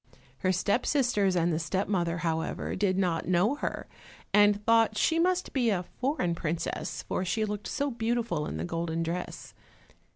Her step sisters and the step mother however did not know her, and thought she must be a foreign princess, for she looked so beautiful in the golden dress.